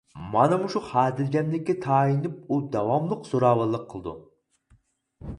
مانا مۇشۇ خاتىرجەملىككە تايىنىپ ئۇ داۋاملىق زوراۋانلىق قىلىدۇ.